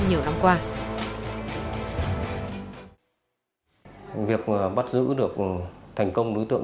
những sự thông tin